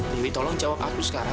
dewi tolong jawab aku sekarang